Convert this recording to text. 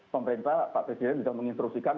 pemerintah pak presiden sudah menginstruksikan